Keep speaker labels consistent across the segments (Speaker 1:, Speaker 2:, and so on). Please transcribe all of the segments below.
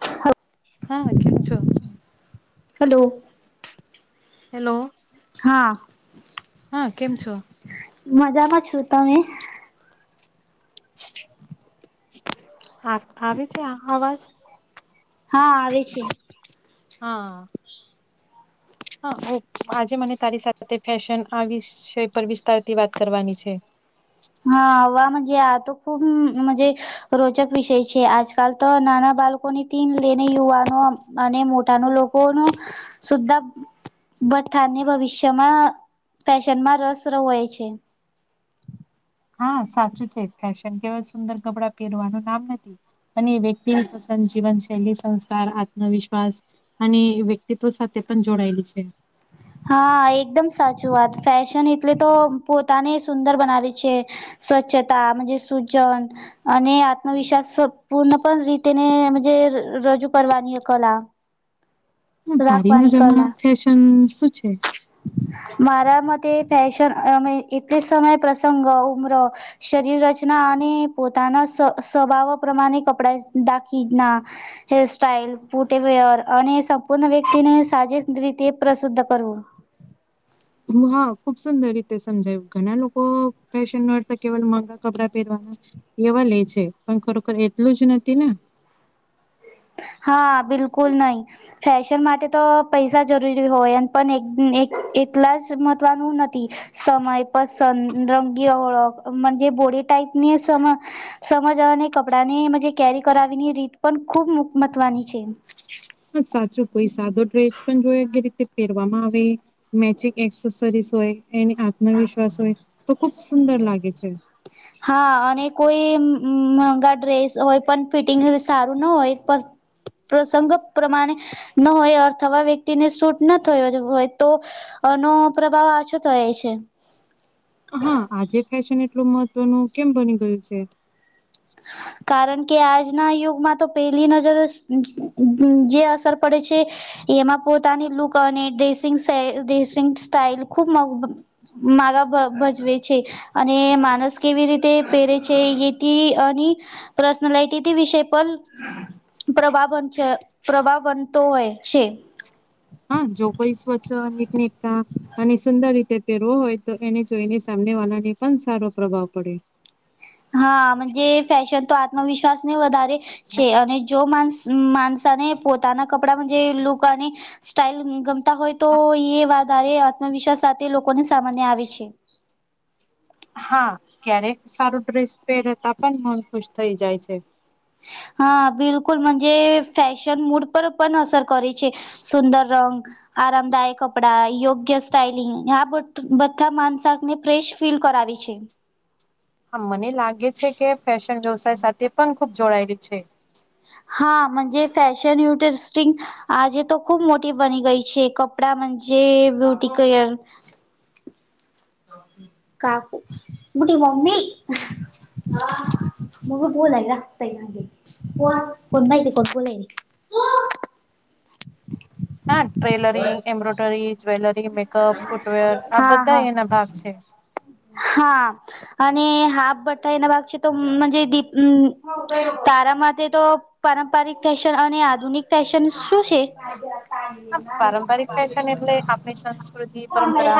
Speaker 1: હા. [unintelligible]
Speaker 2: હા, કેમ છો?
Speaker 1: હલો.
Speaker 2: હેલો.
Speaker 1: હા.
Speaker 2: હા, કેમ છો?
Speaker 1: મજામાં છું, તમે
Speaker 2: [unintelligible] [inaudible] આવી છે, આ અવાજ.
Speaker 1: હા આવે છે.
Speaker 2: હા, હા આજે મને તારી સાથે ફેશન આ વિષય પર વિસ્તારથી વાત કરવાની છે.
Speaker 1: હા વાજ તો ખૂબજ મજા. રોચક વિષય છે, આજકાલ તો નાના બાળકોની ટીન લેને યુવાનો. અને મોટા નો લોકો નો સુઘપ. ભઠાને ભવિષ્યમાં ફેશનમાં રસ હોય છે.
Speaker 2: હા સાચું છે, ફેશન કેવા સુંદર કપડાં પહેરવાનું નામ નથી. અને વ્યક્તિ પસંદ જીવનશૈલી સંસ્કાર આત્મવિશ્વાસ. અને વ્યક્તિત્વ સાથે પણ જોડાયેલી છે.
Speaker 1: હા, એકદમ સાચું વાત ફેશન એટલે તો પોતાને સુંદર બનાવે છે. સ્વચ્છતા પછી સુજન. અને આત્મવિશ્વાસ પૂર્ણ પણ રીતે નેજ રજૂ કરવાની કલા.
Speaker 2: તારી
Speaker 1: રાખવાની
Speaker 2: નજરમાં
Speaker 1: કલા
Speaker 2: ફેશન શું છે.
Speaker 1: મારા મતે ફેશન અમે એટલે સમય પ્રસંગ ઉમરો. શરીર રચના અને પોતાના સ્વભાવ પ્રમાણે કપડાં દાકીના. હેરસ્ટાઈલ ફુટેવેયર અને સબ. પૂર્ણ વ્યક્તિને સાજસ રીતે પ્રસુદ્ધ કરવું.
Speaker 2: હું, હા ખુબ સુંદર રીતે સમજાયું, ઘણા લોકો ફેશન કેવલ મોઘા કપડાં પહેરવાના. એવા લે છે, પણ ખરોખર એટલું જ નથી ને.
Speaker 1: હા બિલકુલ નહીં. ફેશન માટે તો પૈસા જરૂરી હોય પણ એલા જ મહત્વનું નથી. સમય પસંદ રંગી ઓળખજ બોડી ટાઈપની સમય. સમજ અને કપડાં ને કેરી કરાવીની રીત પણ ખૂબ મહત્વની છે.
Speaker 2: હા, સાચું કોઈ સાદો ડ્રેસ પણ જોયો કે રીતે પહેરવામાં આવે. મેચિંગ એક્સેસરીસ હોય એની આત્મવિશ્વાસ હોય તો ખુબ સુંદર લાગે છે.
Speaker 1: હા, અને કોઈ મોંઘા ડ્રેસ હોય પણ ફિટિંગ સારું ના હોય. પ્રસંગ પ્રમાણે ન હોય અથવા વ્યક્તિને શૂટ ન થયો હોય તો- અ નો પ્રભાવ આછો થાય છે.
Speaker 2: હા આજે ફેશન એટલું મહત્વનું કેમ બની ગયું છે.
Speaker 1: કારણ કે આજના યુગમાં તો પહેલી નજર જે અસર પડે છે. એમાં પોતાની લુક અને ડ્રેસિંગ ડ્રેસિંગ સ્ટાઈલ ખુબ. માગા ભ ભજવે છે. અને માણસ કેવી રીતે પહેરે છે, એથી અને- પર્સનલાટીટી વિષયે પણ. પ્રવાહ બનશે પ્રવાહ બનતો હોય છે.
Speaker 2: હાજો કોઈ સ્વચ્છ પીકનીકમા. અને સુંદર રીતે પહેરવો હોય, તો એને જોઈને સામને વાળાને પણ સારો પ્રભાવ પડ્યો.
Speaker 1: હા ફેશન તો આત્મવિશ્વાસને વધારે છે, અને જો માનસ માનસ. તને પોતાના કપડામાં જે લુક અને સ્ટાઇલ ગમતા હોય તો એ વાત, સારે આત્મવિશ્વાસ સાથે લોકોને સામાન્ય આવે છે,
Speaker 2: હા, ક્યારેક સારું ડ્રેસ પહેરતા પણ મન ખુશ થઈ જાય છે.
Speaker 1: હા, બિલકુલ મજે ફેશન મૂડ. ઉપર પણ અસર કરે છે, સુંદર રંગ આરામદાયક કપડાં યોગ્ય સ્ટાઈલિંગ આ બધા માનસાકને ફ્રેશ ફીલ કરાવે છે
Speaker 2: હા મને લાગે છે કે ફેશન વ્યવસાય સાથે પણ ખુબ જોડાયેલી છે
Speaker 1: હાજ ફેશન ટરિસ્ટિંગ આજે તો ખુબ મોટી બની ગઈ છે કપડા મજે બ્યુટિકયર કાકું મુટી મમ્મી મ બોલાય ગ પે કોણ માહિત કોણ બોલા
Speaker 2: હા tailoring embroidery jewellery makeup footwear આ બધા એના ભાગ છે
Speaker 1: હા અને હાફ ભઠાઈ ના ભાગ છે તો દીપ તારા માટે તો પારંપારિક ફેશન અને આધુનિક ફેશન શું છે
Speaker 2: પારંપરિક ફેશન એટલે આપણી સંસ્કૃતિ પરંપરા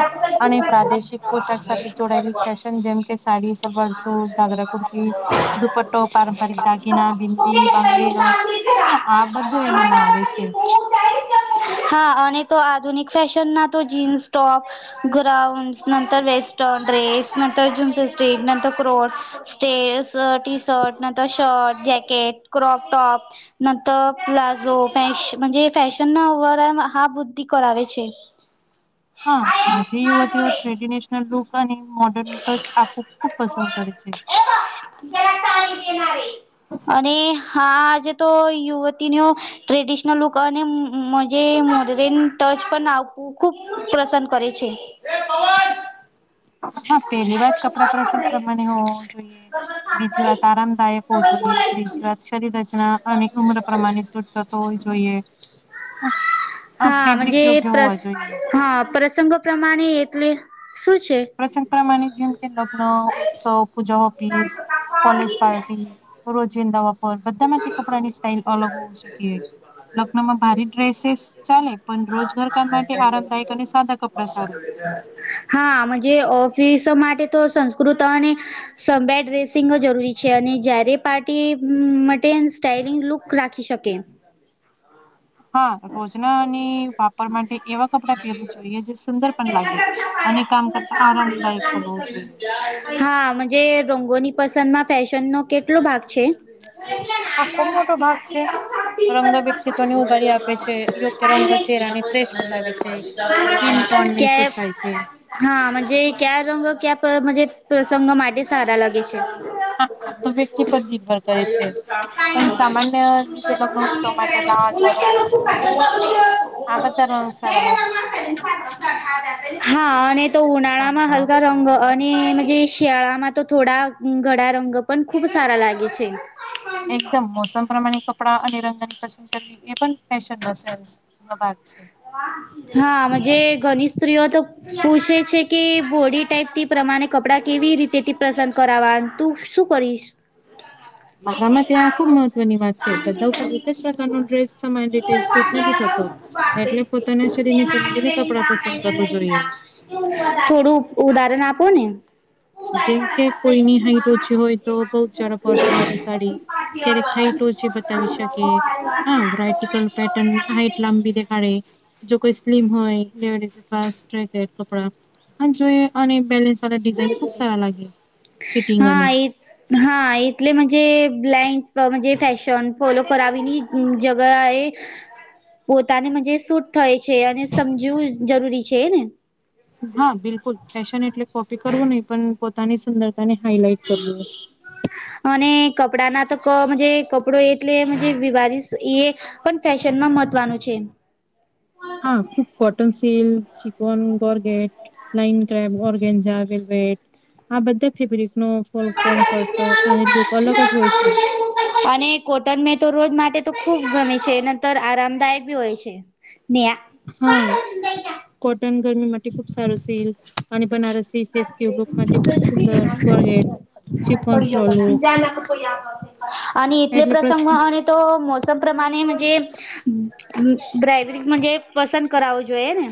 Speaker 2: અને પ્રાદેશિક પોશાક સાથે જોડાયેલી ફેશન જેમ કે સાડી સવારસ ગાગરા કુર્તી દુપટો પારંપરિક દાગના બિન્ંદી બંગડનો હા આ બધું એનામાં આવે છે
Speaker 1: હા અને તો આધુનિક ફેશન ના તો જીન્સ ટોપ ગ્રાઉન્સ નંતર વેસ્ટ રેસ નંતર જમસ સ્ટટ નંતર ક્રોટ સ્ટેસ ટી શર્ટ ન તોર શર્ટ જેકેટ ક્રોપ ટોપ નંતર પ્લાઝો ફજ ફેશન ના ઓવરલ હા બુદ્ધિ કરરાવે છે
Speaker 2: [inaudible] હા આજે યુવતીઓ ટ્રેડીને લોકોને મોર્ડર્ન ટચ આપું ખૂબ પસંદ કરે છે
Speaker 1: [unintelligible] અને હાજ તો યુવતી ન ટ્રેડિશનલ લુક અને મજ મોડરેન ટચ પણું ખુબ પ્રસન્ન કરે છે
Speaker 2: હા પેલી વાત કપડા પ્રસંગ પ્રમાણે હો બીજી વાત આરામદાયક હોવું જોઈએ ત્રીજી વાત શરીર ઉમર પ્રમાની શૂધ થતો હો જોઈએ આ
Speaker 1: હાજ
Speaker 2: ફેબ્રિક યોગ્ય
Speaker 1: પ્રસ
Speaker 2: હોવા જોઈએ
Speaker 1: હા પ્રસંગો પ્રમાણે એટલે શું છે
Speaker 2: પ્રસંગ પ્રમાણે જેમ કે લગ્ન ઉત્સવ પૂજા ઓફિસ કોલેજ પાર્ટી રોજિંદપ બધા માંથી કપડાની સ્ટાઈઇલ અલગ હો શકી લગ્નમાં ભારે ડ્રેસેસ ચાલે પણ
Speaker 1: [inaudible]
Speaker 2: રોજગાર કામ માટે આરામદાયક અને સાદા કપડાં સારા
Speaker 1: હા આમાં જે ઓફિસ માટે તો સં કૃત અને સબેડ ર્રેસિંગ જરૂરી છે અને જ્યારે પાર્ટી માટે ન સ્ટઇલિંગ લુક રાખી શકે
Speaker 2: હા રોજનાની વાપર માટે એવા કપડાં પહેવું જોઈએ જે સુંદર પણ લાગે અને કામ કરતા આરામદાયક બન હોવું જોઈએ
Speaker 1: હા રંગોની પસંદમાં ફેશન નો કેટલો ભાગ છે [unintelligible] કે [unintelligible]
Speaker 2: આ ખુબ મોટો ભાગ છે રંગ વ્યક્તિત્વને ઉભારી આપે છે યોગ્ય રંગ ચહેરાને ફ્રેશ બતાવે છે સ્કીન ટોનને સૂટ થાય છે
Speaker 1: હાજ ક્યા રંગ ક્યા પ્રસંગ માટે સારા લાગે છે
Speaker 2: હા તો વ્યક્તિ પદ
Speaker 1: હા
Speaker 2: પણ સામાન્ય રીતે લગન ઉત્સવ માટે લાલ, મરોન, પિક આ બંધાા રંગ સારા લાગે છે.
Speaker 1: હા અને તો ઉનાળા માં હલકા રંગ,
Speaker 2: તમારા
Speaker 1: અને જે શિયાળામાં તો થોડા ગળા રંગ પણ ખુબ સારા લાગે છે.
Speaker 2: એકદમ મોસમ પ્રમાણે કપડાં અને રંગની પ કરવી એ પણન ન ભાગ છે.
Speaker 1: હા મજે ઘણી સ્ત્રીઓ તો પૂછે છે કે, બોડી ટાઈપથી પ્રમાણે કપડા કેવી રીતે થી પસંદ કરાવવા.? તું શું કરીશ.?
Speaker 2: મારામાં ત્યાં ખુબ મહત્વની વાત છે. બધા એક જ પ્રકારનો ડ્રેસ સમાન રીતે સૂટ નથી થતો. એટલે પોતાના શરીર ને
Speaker 1: તેમાં આને
Speaker 2: સમજીને
Speaker 1: લઈ લીધા
Speaker 2: કપડાં પસંદ
Speaker 1: આને લઈ
Speaker 2: કરવું
Speaker 1: લીધા
Speaker 2: જોઈએ.
Speaker 1: થોડું ઉદાહરણ આપો ને?
Speaker 2: જેમ કે, કોઈની હાઈટ ઓછી હોય તો બહુ જરા બોર્ડર વાળી સાડી, ક્યારે હઈટ ઓ છી બતાવી શકે. હા વરાઇટિકલ પેટર્ન હાઇટ લાંબી દેખાડે. જો કોઈ સ્લીમ હોય કપડા જો અને બેલેન્સ વાળા ડિઝાઇન ખુબ સારા લાગે. ફિટિંગ અને
Speaker 1: હા એ હા એટલે મજે બ્લાઇન્ક મજે ફેશન ફોલો કરાવીની જગા એ પોતાની મજ સૂટ થાય. છે અને સમજવું જરૂરી છે ને?
Speaker 2: હા બિલકુલ, ફેશન એટલે કોપી કરવું નહી પણ પોતાની સુંદરતા ને હાઈલાઈટ કરવું.
Speaker 1: અને કપડા ના તો ક કપડો એટલે મજે વિવાઇશ એ પણ ફેશન માં મહત્વનું છે.
Speaker 2: હા ખુબ કોટન સીલ્ક, ચિકન, ગોર્ગેટ નાઈન ક્રેબ, ઓરગેંજા, વેલ્વેટ આ બધા ફેબ્રિક નો કોમ્ફર્ટો અને લુક અલગ જ હોય છે.
Speaker 1: અને કોટન મે તો રોજ માટે તો ખુબ ગમે છે નંતર આરામદાયક બી હોય છે. મેં
Speaker 2: હા કોટન ગરમી માટે ખૂબ સારું સીલ્ક અને બનારસી ફેસ્ટિવ લુક માટે ખૂબ સુંદર. ચિફોન ફ્લોર લુક
Speaker 1: અને એટલે પ્રસંગ અને તો મોસમ પ્રમાણે મ જે ડ્રાઈવરીંગ પસંદ કરાવવું જોઈએ ને?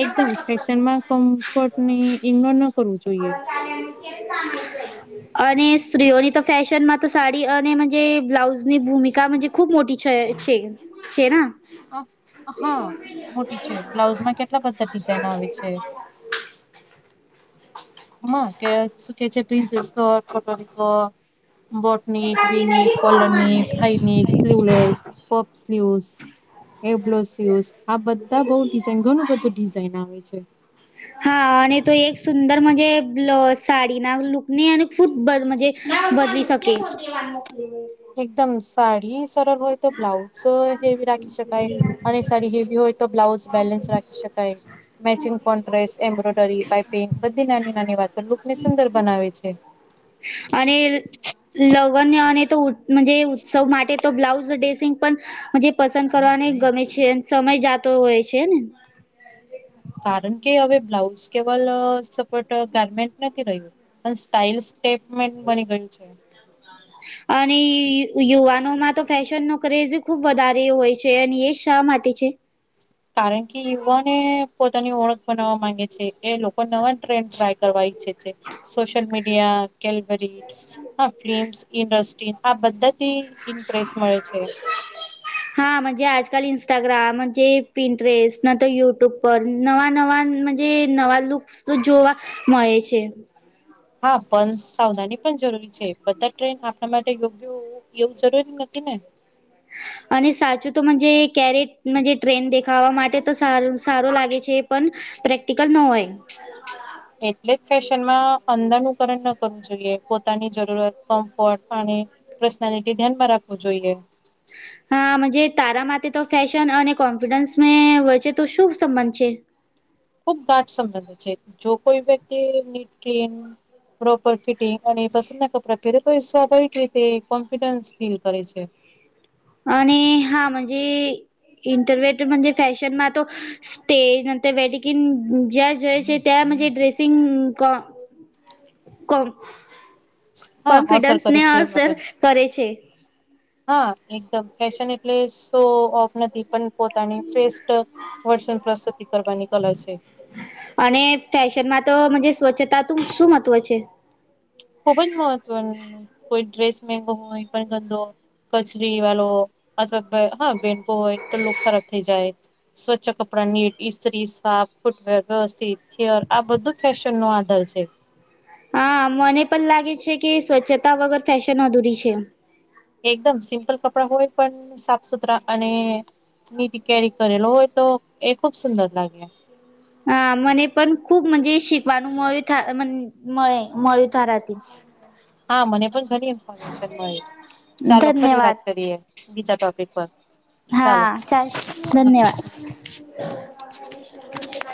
Speaker 2: એકદમ ફેશનમાં કમ્ફર્ટને ઇગ્નોર ન કરવું જોઈએ.
Speaker 1: [inaudible] અને સ્ત્રીઓની તો ફેશનમાં તો, સાડી અને મ જે બ્લાઉઝ ની ભૂમિકા ખૂબ મોટી છે છે છેના?
Speaker 2: હ હા મોટી છે બ્લાઉઝમાં કેટલા બધા ડિઝાઇન આવે છે. કે શું કે છે પ્રિન્સેસ કટ, કટોરી cut boat neck, V neck, collar neck, high neck sleeveless, puff sleeves એ બ્લો સુસ, આ બધા બઉ ડિઝઇન ઘણું બધું ડિઝાઇન આવે છે.
Speaker 1: હા અને તો એક સુંદર મજે સાડીના લુક ને અને ખુબ બ મ જે બદલી શકે.
Speaker 2: એકદમ સાડી સરળ હોય તો બ્લાઉઝ હેવી રાખી શકાય. અને સાડી હેવી હોય તો બ્લાઉઝ બેલેન્સ રાખી શકાય. મેચિંગ કોન્ટ્રેસ એમ્બ્રોઇડરી પાઇપિંગ બધી નાની નાની વાતો લુક ને સુંદર બનાવે છે.
Speaker 1: અને લગ્ન અને તો મ જે ઉત્સવ માટે તો બ્લાઉઝ ડ્રેસિંગ પણ મ જે પસંદ કરવાને ગમે છે સમય જાતો હોય છે ને,
Speaker 2: કારણ કે હવે બ્લાઉઝ કેવલ સપોટ ગાર્મેન્ટ નથી રહ્યું. પણ સ્ટાઇલ સ્ટેટમેન્ટ બની ગયું છે.
Speaker 1: અને યુવાનો માં તો ફેશન નો ક્રેઝ ખુબ વધારે હોય છે અને એ શા માટે છે.
Speaker 2: કારણ કે યુવાને પોતાની ઓળખ બનાવા માંગે છે એ લોકો નવા ટ્રેન્ડ ટ્રાય કરવાય ઈચ્છે છે. સોશલ મીડિયા કેલબરી હ ફમ ઇન્ડસ્ટ્રી- આ બધાથી ઇમ્પ્રેસ મળે છે.
Speaker 1: હાજ આજકાલ ઇન્સ્ટાગ્રામ પિન્ટસ્ટ ન તો યુટ્યુબ- પર નવા નવા જે નવા લુક્સ તો જોવા મળે છે.
Speaker 2: હા બસ સાવધાની પણ જરૂરી છે બધા ટ્રેન આપણા માટે યોગ્ય- એવું જરૂરી નથી ને- [inaudible]
Speaker 1: અને સાચું તોજ ક્યારે ટ્રેન દેખાવા માટે તો સાર સારો લાગે છે પણ- પ્રેક્ટિકલ ન હોય-
Speaker 2: એટલે જ ફેશનમાં અંદરનું કરણ ન કરવું જોઈએ પોતાની જરૂરત કમ્ફર્ટ અને- પર્સનાલિટી ધ્યાનમાં રાખવું જોઈએ-
Speaker 1: હા જે તારા માટે તો ફેશન અને કોન્ફિડન્સ મે વચ્ચે- તો શું સંબંધ છે.
Speaker 2: ખુબ ગાટ સંબંધ છે જો કોઈ વ્યક્તિ ટન- પ્રોપર ફિટિંગ અને પસંદ ના કપડાં પહેરે તો એ સ્વાભાવિક રીતે કોન્ફિડન્સ ફીલ કરે છે.
Speaker 1: અને હાજ ઈન્ટરનેટમાં જે ફેશનમાં તો- સ્ટેજ અને વેડિંગિંગ જ્યાં જય છે. તેમ જે ડ્રેસિંગ કો કો-
Speaker 2: હા અસર
Speaker 1: કોન્ફિડન્સ
Speaker 2: કરે
Speaker 1: ને
Speaker 2: છે એમના
Speaker 1: અસર
Speaker 2: પર
Speaker 1: કરે છે.
Speaker 2: હા એકદમ ફેશન એટલે શો ઓફ નથી પણ પોતાની ફીસ્ટ- વર્ષન પ્રસૂતિ કરવાની કલા છે.
Speaker 1: અને ફેશનમાં તોજ સ્વચ્છતાનું શું મહત્વ છે.
Speaker 2: ખુબ જ મહત્વનું કોઈ ડ્રેસ મંગો હોય પણ ગંદો- કચરી વાળો અથવા હા બેનકો હોય તો લુક ખરાબ થઈ જાય- સ્વચ્છ કપડા નીટ સ્ત્રી સાફ ફૂટવેર વ્યવસ્થિતે આ બધું ફેશન નો આધાર છે.
Speaker 1: હા મને પણ લાગે છે કે સ્વચ્છતા વગર ફેશન અધૂરી છે.
Speaker 2: એકદમ સિમ્પલ કપડા હોય પણ સાફ સુથરા અને- નીટ કેરી કરેલો હોય તો એ ખુબ સુંદર લાગે-
Speaker 1: હા મને પણ ખુબજ શીખવાનું મળ્યું મળે મળ્યું તારાથી-
Speaker 2: હા મને પણ ઘણી ઇન્ફોર્મેશન મળી ચાલો ફરી વાત
Speaker 1: ધન્યવાદ
Speaker 2: કરીએ- બીજા ટોપિક પર ચાલો
Speaker 1: હા ચાલ
Speaker 2: હા-
Speaker 1: ધન્યવાદ.